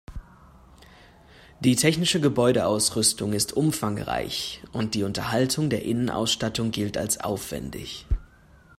Die technische Gebäudeausrüstung ist umfangreich und die Unterhaltung der Innenausstattung gilt als aufwendig.